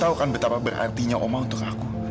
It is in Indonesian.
tahu kan betapa berartinya oma untuk aku